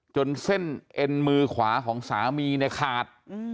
จนเส้นเอ็นมือขวาของสามีเนี่ยขาด